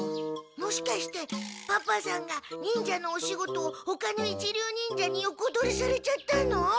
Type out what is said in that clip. もしかしてパパさんが忍者のお仕事をほかの一流忍者に横取りされちゃったの？